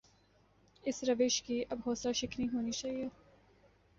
اس روش کی اب حوصلہ شکنی ہونی چاہیے۔